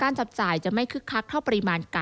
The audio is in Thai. ทางอุทยานจึงจัดทำกิจกรรมรณรงค์๔มไม่ให้อาหารแก่สัตว์ป่า